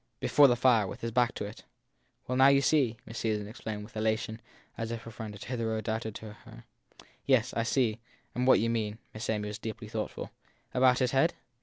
Before the fire with his back to it. Well, now you see! Miss Susan exclaimed with elation and as if her friend had hitherto doubted her. Yes, I see and what you mean. Miss Amy was deeply thoughtful. About his head?